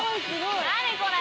何これ。